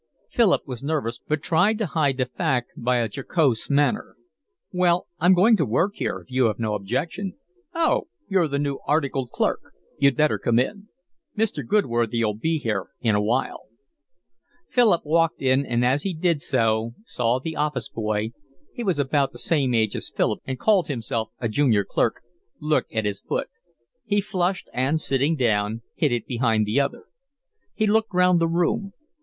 Philip was nervous, but tried to hide the fact by a jocose manner. "Well, I'm going to work here if you have no objection." "Oh, you're the new articled clerk? You'd better come in. Mr. Goodworthy'll be here in a while." Philip walked in, and as he did so saw the office boy—he was about the same age as Philip and called himself a junior clerk—look at his foot. He flushed and, sitting down, hid it behind the other. He looked round the room.